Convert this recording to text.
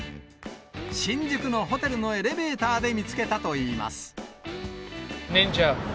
新宿のホテルのエレベーターで見つけたといいます。